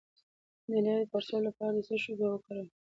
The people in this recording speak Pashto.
د لۍ د پړسوب لپاره د څه شي اوبه وکاروم؟